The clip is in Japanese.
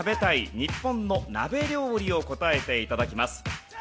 日本の鍋料理を答えて頂きます。